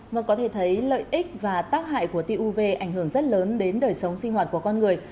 vâng có thể thấy lợi ích và tác hại của tiêu uv ảnh hưởng rất lớn đến đời sống sinh hoạt của con người